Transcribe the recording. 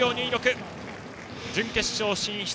本郷、準決勝進出。